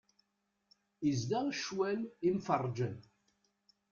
Izdeɣ ccwal imferrǧen.